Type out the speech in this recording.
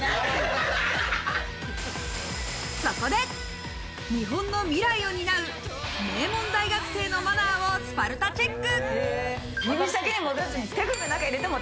そこで、日本の未来を担う名門大学生のマナーをスパルタチェック。